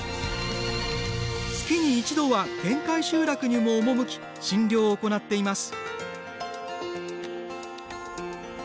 月に一度は限界集落にも赴き診療を行っています。